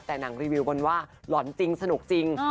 แต่หนังรีวิวบนว่าหล่อนจริงสนุกจริง